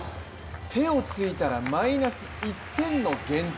手をついたらマイナス１点の減点。